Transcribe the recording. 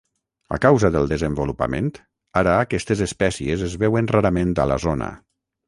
A causa del desenvolupament, ara aquestes espècies es veuen rarament a la zona.